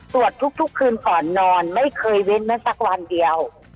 ตรวจทุกคืนก่อนนอนไม่เคยเว้นแม้สักวันเดียว